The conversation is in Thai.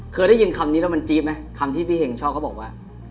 เคยได้ยินคำนี้แล้วมันจี๊บไหมคำที่พี่เห็งชอบเขาบอกว่า